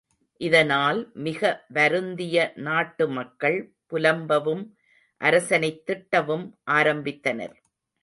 இதனால் மிக வருந்திய நாட்டு மக்கள் புலம்பவும், அரசனைத் திட்டவும் ஆரம்பித்தனர்.